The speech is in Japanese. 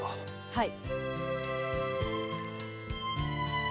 はい。